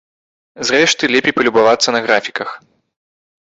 Зрэшты, лепей палюбавацца на графіках.